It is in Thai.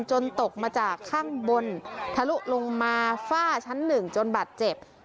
ตกมาจากข้างบนทะลุลงมาฝ้าชั้นหนึ่งจนบาดเจ็บ